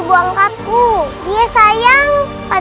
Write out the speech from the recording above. waktu itu dia pingsan